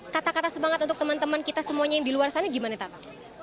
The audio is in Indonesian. kata kata semangat untuk teman teman kita semuanya yang di luar sana gimana pak